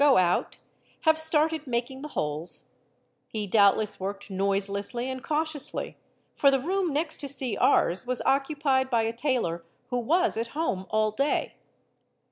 go out, have started making the holes; he doubtless worked noise — Pil | weld I lessly and cautiously, for the room next to Cr...'s was occupied by a : tailor who was at home all day.